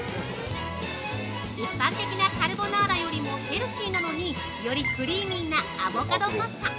一般的なカルボナーラよりもヘルシーなのによりクリーミーなアボガドパスタ！